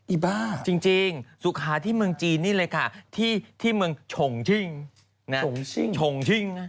อ้าจริงสุขาที่เมืองจีนนี่เลยค่ะที่เมืองชงชิ่งชงชิ่งนะ